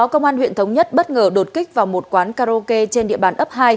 công an huyện thống nhất bất ngờ đột kích vào một quán karaoke trên địa bàn ấp hai